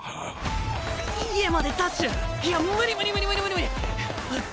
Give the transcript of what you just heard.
家までダッシュいや無理無理無理無理無理！